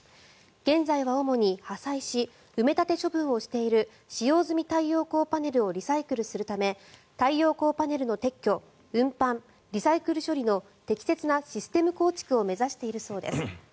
現在は主に破砕し埋め立て処分をしている使用済み太陽光パネルをリサイクルするため太陽光パネルの撤去、運搬リサイクル処理の適切なシステム構築を目指しているそうです。